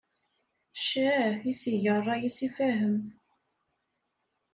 Ccah, i s-iga rray-is i Fahem.